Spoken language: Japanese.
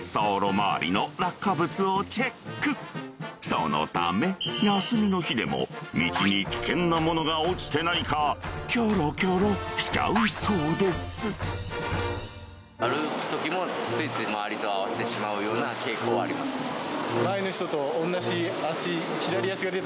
そのため休みの日でも道に危険なものが落ちてないかキョロキョロしちゃうそうですような傾向はありますね。